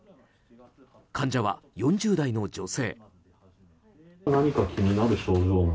患者は４０代の女性。